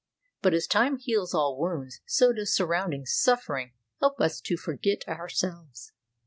But as time heals all wounds, so does surrounding suffering help us to forget ourselves.